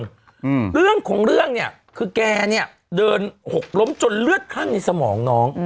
อืมเรื่องของเรื่องเนี้ยคือแกเนี้ยเดินหกล้มจนเลือดคลั่งในสมองน้องอืม